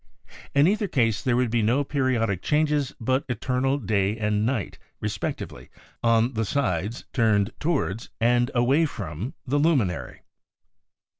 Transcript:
In either case there would be no periodic changes but eternal day and night, respec tively, on the sides turned towards, and away from, the luminary.